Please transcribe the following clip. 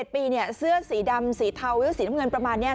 ๗ปีเสื้อสีดำสีเทาสีน้ำเงินประมาณนี้